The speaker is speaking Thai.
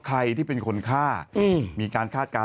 ใครที่เป็นคนฆ่ามีการคาดการณ